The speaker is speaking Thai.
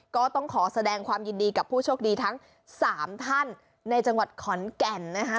ก็ต้องขอแสดงความยินดีกับผู้โชคดีทั้ง๓ท่านในจังหวัดขอนแก่นนะคะ